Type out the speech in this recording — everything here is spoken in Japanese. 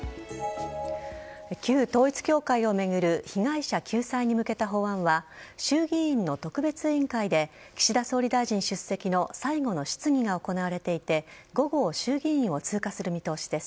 旧統一教会を巡る被害者救済に向けた法案は衆議院の特別委員会で岸田総理大臣出席の最後の質疑が行われていて午後衆議院を通過する見通しです。